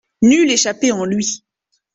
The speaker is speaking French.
Nulle échappée en lui.